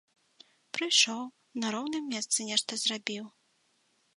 Прыйшоў, на роўным месцы нешта зрабіў.